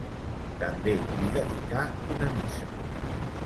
També li dedicà una Missa.